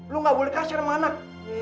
lu gak boleh kasih sama anak